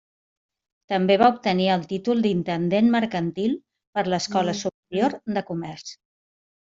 També va obtenir el títol d'Intendent Mercantil per l'Escola Superior de Comerç.